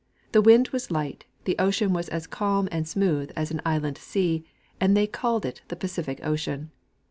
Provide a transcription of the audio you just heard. The wind was light, the ocean was as calm and smooth as an inland sea, and they called it the Pacific ocean.